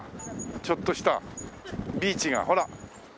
ちょっとしたビーチが。ほら。